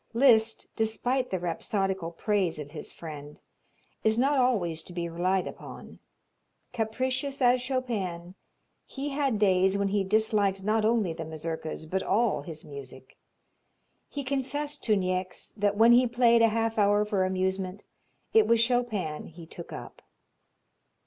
Liszt, despite the rhapsodical praise of his friend, is not always to be relied upon. Capricious as Chopin, he had days when he disliked not only the Mazurkas, but all music. He confessed to Niecks that when he played a half hour for amusement it was Chopin he took up.